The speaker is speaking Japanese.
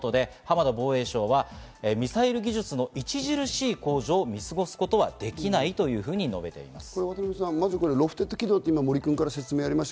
４６００ｋｍということで、浜田防衛相はミサイル技術の著しい向上を見過ごすことはできないというふうに述べています。